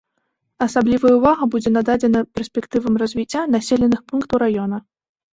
Асаблівая ўвага будзе нададзеная перспектывам развіцця населеных пунктаў раёна.